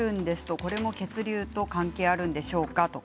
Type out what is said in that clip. これも血流と関係あるんでしょうか？